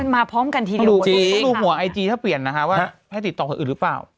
มันมาพร้อมกันทีเดียวพูดถูกค่ะจริงถูกหัวไอจีถ้าเปลี่ยนนะคะว่าให้ติดต่อคนอื่นหรือเปล่า